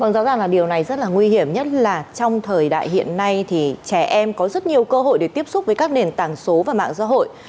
vâng rõ ràng là điều này rất là nguy hiểm nhất là trong thời đại hiện nay thì trẻ em có rất nhiều cơ hội để tiếp xúc với các nền tảng số và mạng xã hội